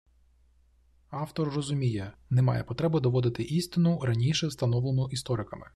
Автор розуміє – немає потреби доводити істину, раніше встановлену істориками